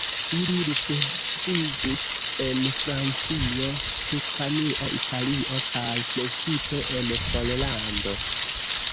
Ili rifuĝiĝis en Francio, Hispanio, Italio kaj precipe en Pollando.